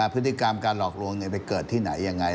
พฤติกรรมการหลอกลวงไปเกิดที่ไหนยังไง